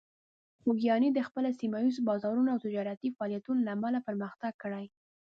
خوږیاڼي د خپل سیمه ییز بازارونو او تجارتي فعالیتونو له امله پرمختګ کړی.